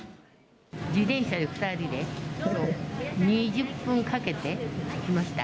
自転車で２人で、２０分かけて来ました。